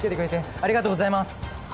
ありがとうございます！